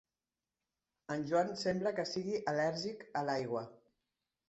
En Joan sembla que sigui al·lèrgic a l'aigua!